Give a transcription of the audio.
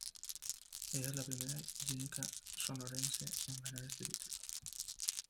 Ella es la primera y única Sonorense en ganar este título.